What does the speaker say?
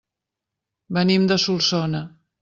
Venim de Solsona.